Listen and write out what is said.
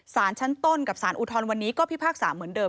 สารชั้นต้นกับสารอุทธรณ์วันนี้ก็พิพากษาเหมือนเดิม